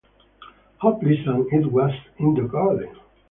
How pleasant it was in the garden!